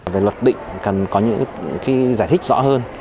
về luật định cần có những giải thích rõ hơn